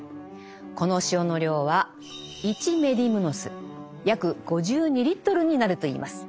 この塩の量は１メディムノス約５２リットルになるといいます。